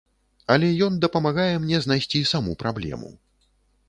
Але ён дапамагае мне знайсці саму праблему.